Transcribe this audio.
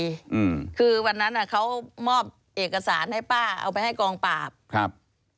ร้อยเวรเจ้าของคดีคือวันนั้นเขามอบเอกสารให้ป้าเอาไปให้กองปราบ